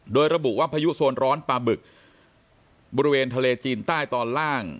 โดยระบุว่าพายุโซนร้อนปลาบึกบริเวณทะเลจีนใต้ตอนล่าง